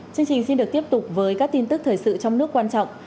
chương trình xin được tiếp tục với các tin tức thời sự trong nước quan trọng